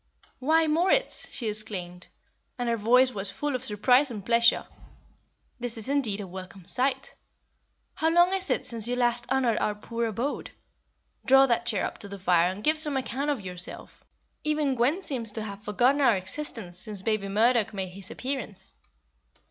"Why, Moritz!" she exclaimed, and her voice was full of surprise and pleasure, "this is indeed a welcome sight. How long is it since you last honoured our poor abode? Draw that chair up to the fire and give some account of yourself. Even Gwen seems to have forgotten our existence since baby Murdoch made his appearance!"